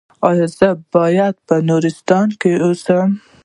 ایا زه باید په نورستان کې اوسم؟